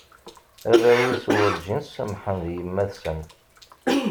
Arraw-is werǧin semmḥen di yemma-tsen.